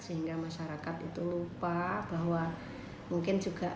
sehingga masyarakat itu lupa bahwa mungkin juga